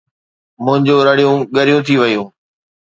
منهنجون رڙيون ڳريون ٿي ويون